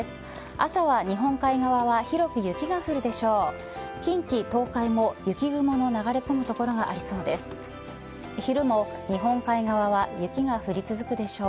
朝は日本海側は広く雪が降るでしょう。